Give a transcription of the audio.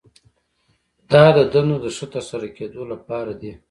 دا د دندو د ښه ترسره کیدو لپاره دي.